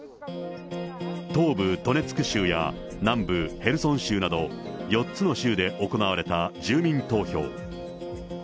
東部ドネツク州や、南部ヘルソン州など、４つの州で行われた住民投票。